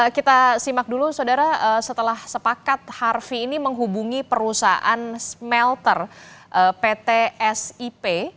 kita simak dulu saudara setelah sepakat harvey ini menghubungi perusahaan smelter pt sip